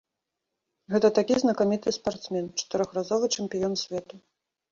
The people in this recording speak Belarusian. Гэта такі знакаміты спартсмен, чатырохразовы чэмпіён свету.